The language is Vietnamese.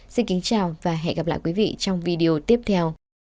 xin kính chào và hẹn gặp lại quý vị trong video tiếp theo